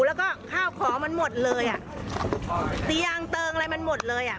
แล้วก็ข้าวของมันหมดเลยอ่ะเตียงเติงอะไรมันหมดเลยอ่ะ